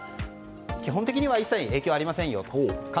基本的には一切、影響はありませんよと。